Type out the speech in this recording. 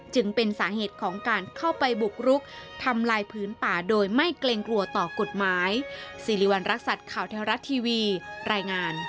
จึงเป็นสาเหตุของการเข้าไปบุกรุกทำลายพื้นป่าโดยไม่เกรงกลัวต่อกฎหมาย